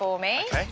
はい。